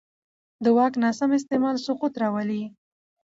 د واک ناسم استعمال سقوط راولي